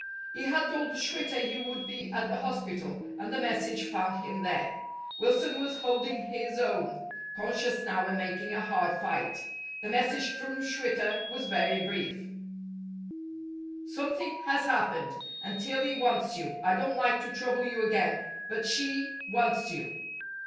He had told Schwitter he would be at the hospital, and the message found him there. Wilson was holding his own, conscious now and making a hard fight. The message from Schwitter was very brief: "Something has happened, and Tillie wants you. I don't like to trouble you again, but she wants you."